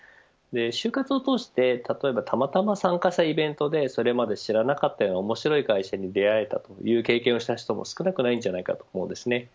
就活を通してたまたま参加したイベントでそれまで知らなかった面白い会社に出会えたという経験をした人は少なくないと思います。